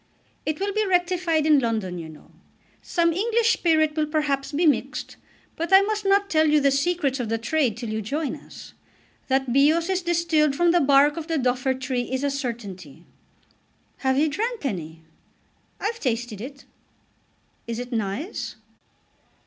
"It will be rectified in London, you know. Some English spirit will perhaps be mixed. But I must not tell you the secrets of the trade till you join us. That Bios is distilled from the bark of the Duffer tree is a certainty." "Have you drank any?" "I've tasted it." "Is it nice?"